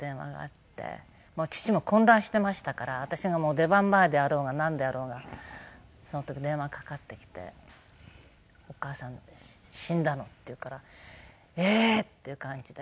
もう父も混乱してましたから私がもう出番前であろうがなんであろうがその時電話かかってきて「お母さんが死んだの」って言うから「ええー！」っていう感じで。